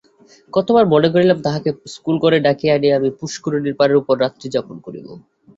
কতবার মনে করিলাম, তাহাকে স্কুলঘরে ডাকিয়া আনিয়া আমি পুষ্করিণীর পাড়ের উপর রাত্রিযাপন করিব।